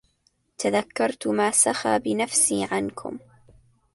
تذكرت ما سخى بنفسي عنكم